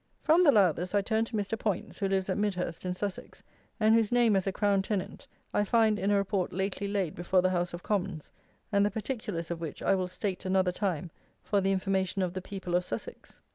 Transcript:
From the Lowthers I turned to Mr. Poyntz, who lives at Midhurst in Sussex, and whose name as a "Crown tenant" I find in a Report lately laid before the House of Commons, and the particulars of which I will state another time for the information of the people of Sussex.